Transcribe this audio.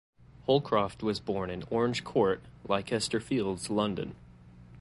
Holcroft was born in Orange Court, Leicester Fields, London.